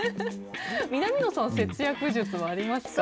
南野さん、節約術はありますか？